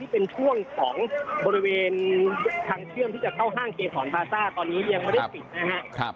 เป็นช่วงของบริเวณทางเชื่อมที่จะเข้าห้างเกถอนพาซ่าตอนนี้ยังไม่ได้ปิดนะครับ